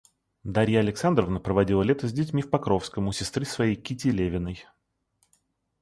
Дарья Александровна проводила лето с детьми в Покровском, у сестры своей Кити Левиной.